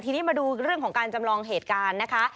ทีนี้มาดูเรื่องของการจำลองเหตุการณ์นะคะ